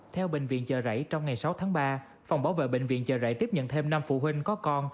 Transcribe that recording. theo bệnh viện chợ rẫy trong ngày sáu tháng ba phòng bảo vệ bệnh viện chợ rẫy tiếp nhận thêm năm phụ huynh có con